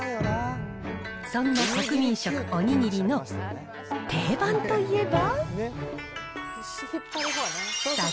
そんな国民食、お握りの定番といえば。